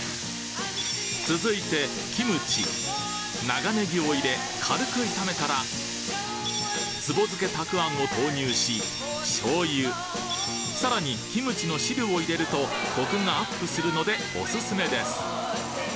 続いてキムチ長ネギを入れ軽く炒めたらつぼ漬けたくあんを投入ししょう油さらにキムチの汁を入れるとコクがアップするのでおすすめです